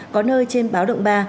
có nơi trên báo động ba